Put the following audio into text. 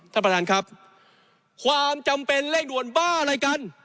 ท่านประธานครับความจำเป็นเร่งด่วนบ้าอะไรกัน